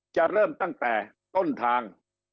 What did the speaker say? จะเริ่มตั้งแต่ต้นทาง